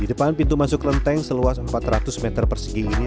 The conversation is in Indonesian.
di depan pintu masuk kelenteng seluas empat ratus meter persegi ini